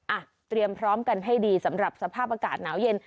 เตรียมพร้อมกันให้ดีสำหรับสภาพอากาศหนาวเย็น